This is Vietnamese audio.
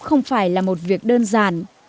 không phải là một việc đơn giản